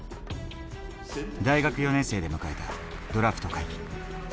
大学４年生で迎えたドラフト会議。